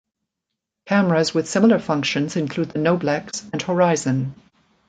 Cameras with similar functions include the Noblex and Horizon.